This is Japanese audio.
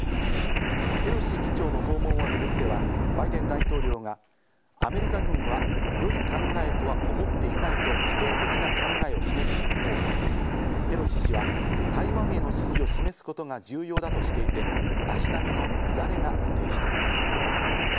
ペロシ議長の訪問をめぐっては、バイデン大統領がアメリカ軍は良い考えとは思っていないと否定的な考えを示す一方、ペロシ氏は台湾への支持を示すことが重要だとしていて、足並みの乱れが露呈しています。